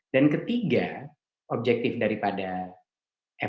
dan ketiga objektif daripada evaluasi lanjutan ini